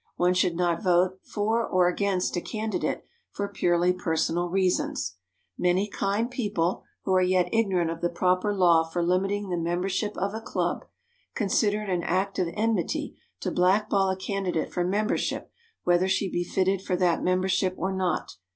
One should not vote for or against a candidate for purely personal reasons. Many kind people, who are yet ignorant of the proper law for limiting the membership of a club, consider it an act of enmity to blackball a candidate for membership whether she be fitted for that membership or not.